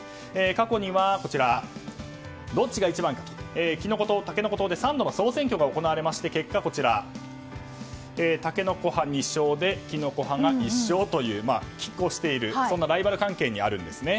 過去には、どっちが一番かきのこ党、たけのこ党で３度の総選挙が行われまして結果、たけのこ派２勝できのこ派が１勝という拮抗しているそんなライバル関係にあるんですね。